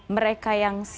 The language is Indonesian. mereka yang sangatnya